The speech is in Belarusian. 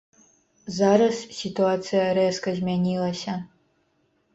Зараз сітуацыя рэзка змянілася.